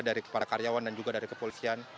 dari para karyawan dan juga dari kepolisian